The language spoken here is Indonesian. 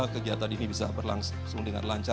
sebagian dalam sejarah fifthivos di limpinga kota pulau